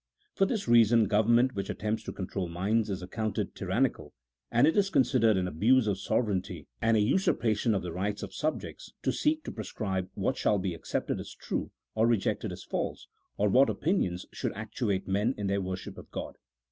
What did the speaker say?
For this reason govern ment which attempts to control minds is accounted tyran nical, and it is considered an abuse of sovereignty and a usurpation of the rights of subjects, to seek to prescribe what shall be accepted as true, or rejected as false, or what opinions should actuate men in their worship of God.